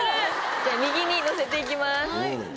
じゃあ右に乗せて行きます。